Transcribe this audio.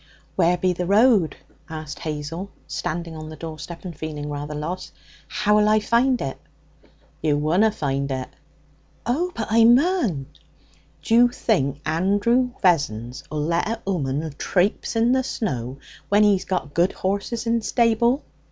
'Where be the road?' asked Hazel, standing on the door step and feeling rather lost. 'How'll I find it?' 'You wunna find it.' 'Oh, but I mun!' 'D'you think Andrew Vessons'll let an 'ooman trapse in the snow when he's got good horses in stable?'